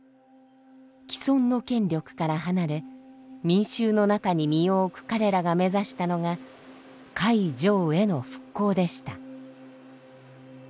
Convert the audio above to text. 既存の権力から離れ民衆の中に身を置く彼らが目指したのが戒定慧の復興でした。